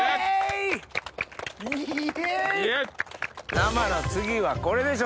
生の次はこれでしょ？